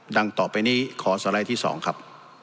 ต่อไปนี้ขอสไลด์ที่๒ครับ